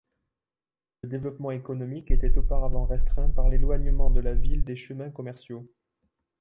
Le développement économique était auparavant restreint par l’éloignement de la ville des chemins commerciaux.